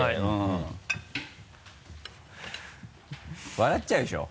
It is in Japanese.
笑っちゃうでしょ？